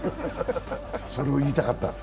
それを言いたかった？